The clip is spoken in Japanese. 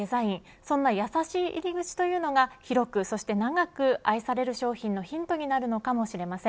そんな優しい入り口というのが広く、そして長く愛される商品のヒントになるのかもしれません。